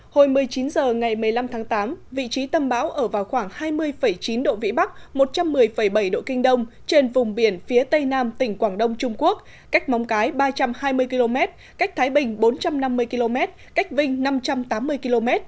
hồi một mươi chín h ngày một mươi năm tháng tám vị trí tâm bão ở vào khoảng hai mươi chín độ vĩ bắc một trăm một mươi bảy độ kinh đông trên vùng biển phía tây nam tỉnh quảng đông trung quốc cách móng cái ba trăm hai mươi km cách thái bình bốn trăm năm mươi km cách vinh năm trăm tám mươi km